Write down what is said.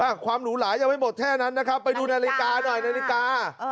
ความหรูหลายังไม่หมดแค่นั้นนะครับไปดูนาฬิกาหน่อยนาฬิกา